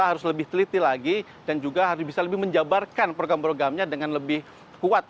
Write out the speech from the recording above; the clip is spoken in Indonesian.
harus lebih teliti lagi dan juga harus bisa lebih menjabarkan program programnya dengan lebih kuat